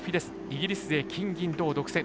イギリス勢、金、銀、銅独占。